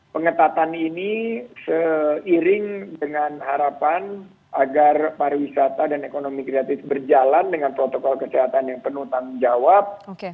pengetatan ini seiring dengan harapan agar pariwisata dan ekonomi kreatif berjalan dengan protokol kesehatan yang penuh tanggung jawab